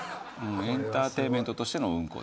エンターテインメントとしてのうんこ。